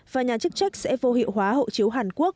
và nhà chức trách sẽ vô hiệu hóa hộ chiếu hàn quốc